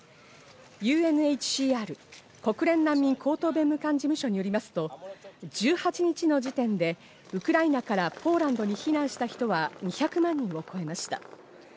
ＵＮＨＣＲ＝国連難民高等弁務官事務所によりますと、１８日の時点でウクライナからポーランドに避難した人は、２００万人を超えました。